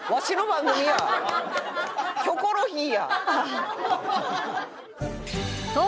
『キョコロヒー』や！